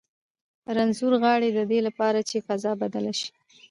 رنځور غاړي د دې لپاره چې فضا بدله شي.